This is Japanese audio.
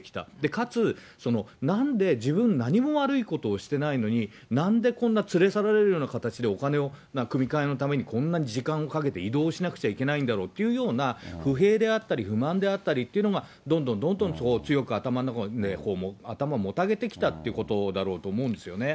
かつそのなんで自分、何も悪いことをしてないのに、なんでこんな連れ去られるような形でお金を組み換えのためにこんなに時間をかけて移動しなくちゃいけないんだろうというような、不平であったり、不満であったりというのが、どんどんどんドン、そこを強く頭の中で、頭をもたげてきたということだろうと思うんですよね。